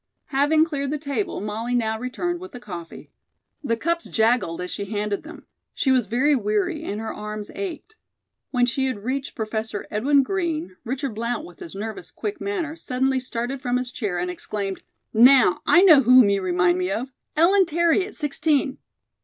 Having cleared the table, Molly now returned with the coffee. The cups jaggled as she handed them. She was very weary, and her arms ached. When she had reached Professor Edwin Green, Richard Blount, with his nervous, quick manner, suddenly started from his chair and exclaimed: "Now, I know whom you remind me of Ellen Terry at sixteen."